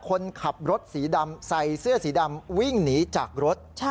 คนขับรถสีดำใส่เสื้อสีดำวิ่งหนีจากรถ